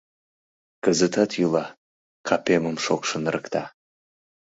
Кызытат йӱла, капемым шокшын ырыкта...